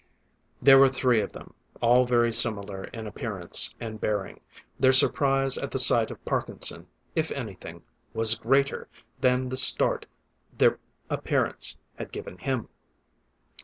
There were three of them, all very similar in appearance and bearing. Their surprise at the sight of Parkinson, if anything, was greater than the start their appearance had given him.